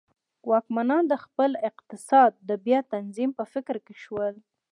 واکمنان د خپل اقتصاد بیا تنظیم په فکر کې شول.